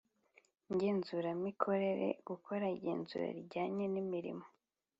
ngenzuramikorere gukora igenzura rijyanye n’imirimo